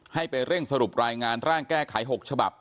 ให้ไปเร่งสรุปรายงานร่างแก้ไข๖ฉบับ